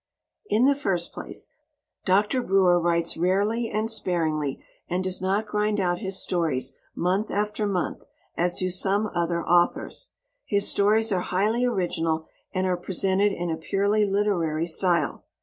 In the first place, Dr. Breuer writes rarely and sparingly and does not grind out his stories month after month as do some other authors. His stories are highly original and are presented in a purely literary style.